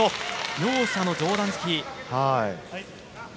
両者の上段突き。